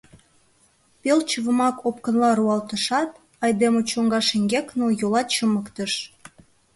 Пел чывымак опкынла руалтышат, айдеме чоҥга шеҥгек нылйола чымыктыш.